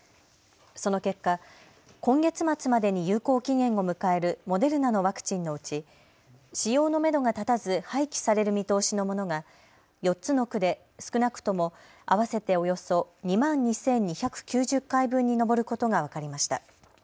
その結果、今月末までに有効期限を迎えるモデルナのワクチンのうち使用のめどが立たず廃棄される見通しのものが４つの区で少なくとも合わせておよそ２万２２９０回分に上ることが分かりました。